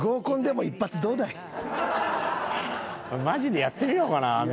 マジでやってみようかな？